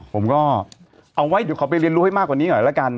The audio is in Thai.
ผมก็เอาไว้เดี๋ยวขอไปเรียนรู้ให้มากกว่านี้หน่อยละกัน